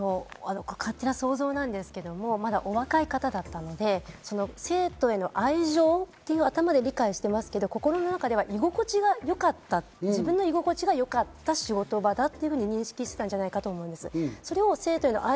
勝手な想像ですけれど、お若い方だったので生徒への愛情というのは頭で理解してますけど、心では居心地が自分の居心地がよかった仕事場だというふうに認識していたんじゃないかなと思います。